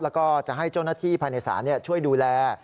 แล้วก็จะให้เจ้าหน้าที่ภายในศาลช่วยดูแล